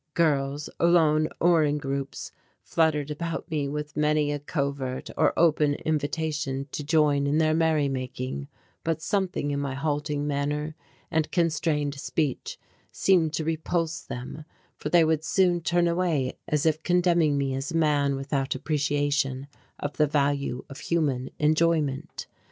Girls, alone or in groups, fluttered about me with many a covert or open invitation to join in their merry making, but something in my halting manner and constrained speech seemed to repulse them, for they would soon turn away as if condemning me as a man without appreciation of the value of human enjoyment.